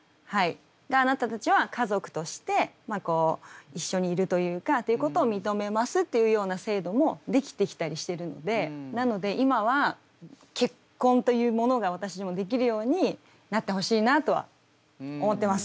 あなたたちは家族として一緒にいるというかということを認めますっていうような制度も出来てきたりしてるのでなので今は結婚というものが私でもできるようになってほしいなとは思ってます。